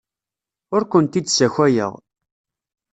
Ur kent-id-ssakayeɣ.